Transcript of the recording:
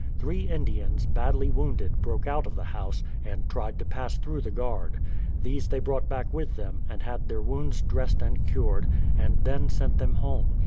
Three Indians, badly wounded, broke out of the house, and tried to pass through the guard. These they brought back with them, and had their wounds dressed and cured, and then sent them home.